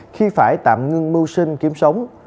khi phải tạm ngưng mưu sinh kiếm sống